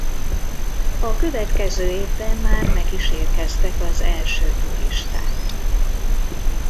A következő évben már meg is érkeztek az első turisták.